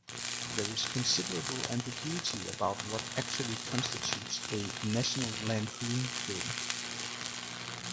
There is considerable ambiguity about what actually constitutes a "National Lampoon" film.